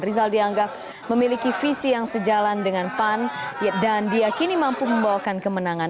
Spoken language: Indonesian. rizal dianggap memiliki visi yang sejalan dengan pan dan diakini mampu membawakan kemenangan